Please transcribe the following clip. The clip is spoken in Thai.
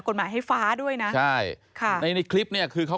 ก็ไม่รู้ว่าฟ้าจะระแวงพอพานหรือเปล่า